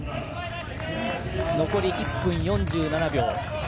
残り１分４７秒。